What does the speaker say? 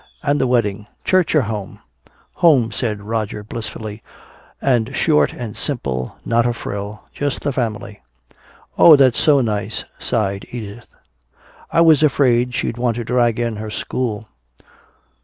And the wedding! Church or home?" "Home," said Roger blissfully, "and short and simple, not a frill. Just the family." "Oh, that's so nice," sighed Edith. "I was afraid she'd want to drag in her school."